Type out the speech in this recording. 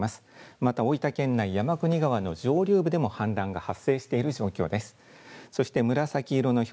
また大分県内山国川の上流部でも氾濫が発生している状況です。